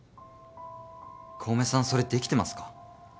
小梅さんそれできてますか？